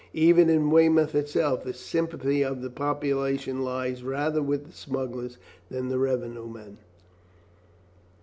Even in Weymouth itself the sympathy of the population lies rather with the smugglers than the revenue men."